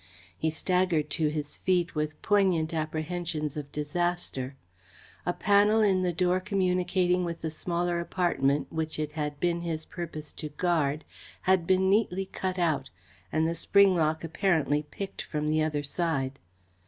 He staggered to his feet with poignant apprehensions of disaster. A panel in the door communicating with the smaller apartment which it had been his purpose to guard had been neatly cut out, and the spring lock apparently picked from the other side.